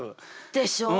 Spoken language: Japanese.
でしょう？